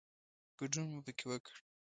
ګډون مو پکې وکړ.